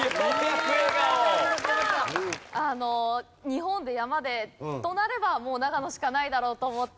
あの日本で山でとなればもう長野しかないだろうと思って。